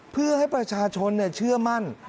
เพื่อให้ประชาชนเชื่อมั่น